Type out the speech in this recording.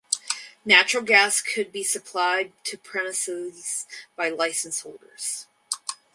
Natural gas could be supplied to premises by license holders.